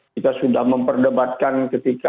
kita sudah memperdebatkan ketika